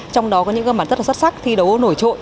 trong đó có những cơ bản rất xuất sắc thi đấu nổi trội